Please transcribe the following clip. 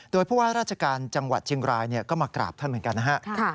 โดยผู้ว่าราชการจังหวัดเชียงรายก็มากราบท่านเหมือนกันนะฮะ